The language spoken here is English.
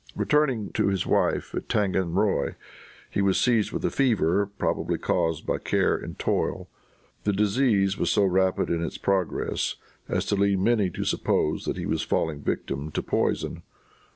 Returning to his wife at Tanganroy, he was seized with a fever, probably caused by care and toil. The disease was so rapid in its progress as to lead many to suppose that he was falling a victim to poison.